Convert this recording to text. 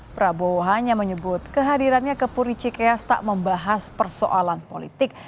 prabowo hanya menyebut kehadirannya ke puri cikeas tak membahas persoalan politik